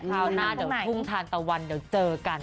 คราวหน้าเดี๋ยวทุ่งทานตะวันเดี๋ยวเจอกัน